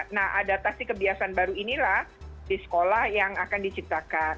nah adaptasi kebiasaan baru inilah di sekolah yang akan diciptakan